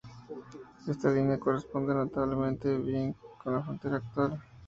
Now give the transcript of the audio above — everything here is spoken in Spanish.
Esta línea corresponde notablemente bien con la frontera actual.